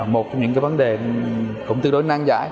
một trong những cái vấn đề cũng tư đối năng giải